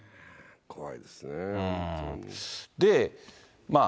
怖いですね。